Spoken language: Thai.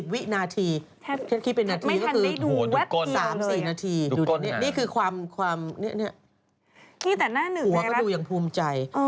๑๗๐วินาทีถ้าคิดเป็นนาทีก็คือ๓๔นาทีดูตรงนี้นี่คือความหัวก็ดูอย่างภูมิใจ